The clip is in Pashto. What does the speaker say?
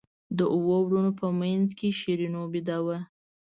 د اوو وروڼو په منځ کې شیرینو بېده وه.